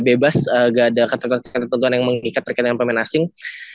bebas ga ada kata kata tertentu yang mengikat terkait dengan pemain asing